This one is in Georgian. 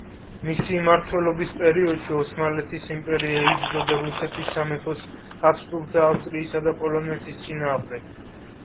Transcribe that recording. მისი მმართველობის პერიოდში ოსმალეთის იმპერია იბრძოდა რუსეთის სამეფოს, ჰაბსბურგთა ავსტრიისა და პოლონეთის წინააღმდეგ.